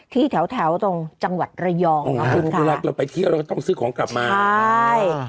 ที่แถวแถวตรงจังหวัดระยองเนาะคุณสุรักษ์เราไปเที่ยวเราก็ต้องซื้อของกลับมาใช่